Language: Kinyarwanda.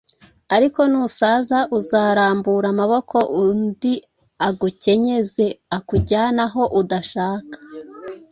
ariko nusaza uzarambura amaboko undi agukenyeze akujyane aho udashaka.